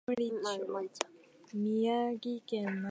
宮城県丸森町